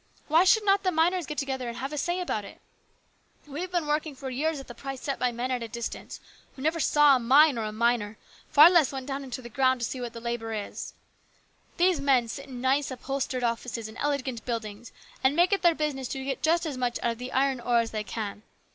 Why should not the miners get together and have a say about it ? We have been working for years at the price set by men at a distance, who never saw a mine or a miner, far less went down into the ground to see what the labour is. These men sit in nice, upholstered offices in elegant buildings and make it their business to get just as much out of the iron ore as they can.